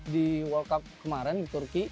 di world cup kemarin di turki